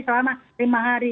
selama lima hari